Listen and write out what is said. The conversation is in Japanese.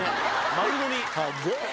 丸飲み。